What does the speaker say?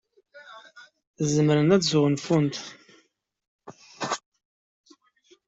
Zemrent ad sgunfunt.